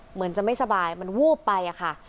เหมือนจะไม่สบายมันวูบไปอะค่ะ